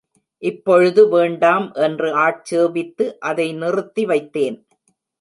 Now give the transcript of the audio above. இப்பொழுது வேண்டாம் என்று ஆட்சேபித்து அதை நிறுத்தி வைத்தேன்.